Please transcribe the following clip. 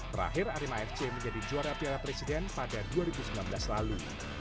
terakhir arema fc menjadi juara piala presiden pada dua ribu sembilan belas lalu